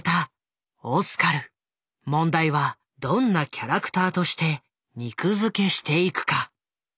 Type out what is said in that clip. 問題はどんなキャラクターとして肉づけしていくか。